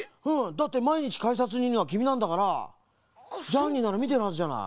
だってまいにちかいさつにいるのはきみなんだからジャーニーならみてるはずじゃない。